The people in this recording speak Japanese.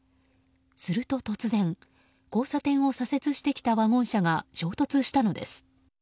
すると突然交差点を左折してきたワゴン車が衝突したのです。